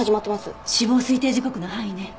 死亡推定時刻の範囲ね。